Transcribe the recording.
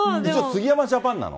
杉山ジャパンなの？